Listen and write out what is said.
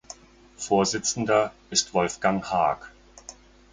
Vorsitzender ist Wolfgang Haak.